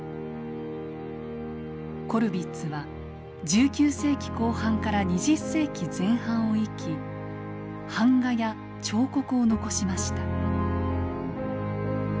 コルヴィッツは１９世紀後半から２０世紀前半を生き版画や彫刻を残しました。